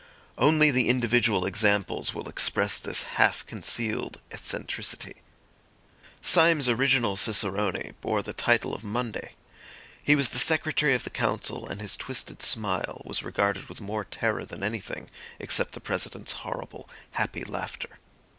Only the individual examples will express this half concealed eccentricity. Syme's original cicerone bore the title of Monday; he was the Secretary of the Council, and his twisted smile was regarded with more terror than anything, except the President's horrible, happy laughter.